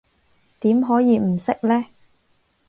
點可以唔識呢？